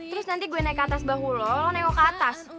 terus nanti gue naik ke atas bahu lo nengok ke atas